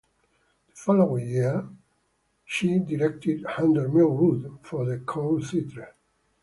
The following year she directed "Under Milk Wood" for the Court Theatre.